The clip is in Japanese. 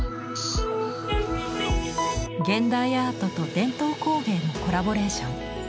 現代アートと伝統工芸のコラボレーション。